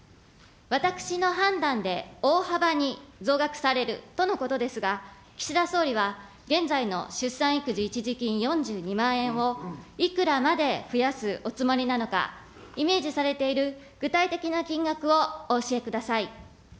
私の判断で大幅に増額されるとのことですが、岸田総理は、現在の出産育児一時金４２万円をいくらまで増やすおつもりなのか、イメージされている具体的な金額をお教えください。